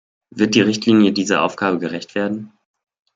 Wird die Richtlinie dieser Aufgabe gerecht werden?